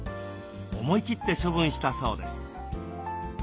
思い切って処分したそうです。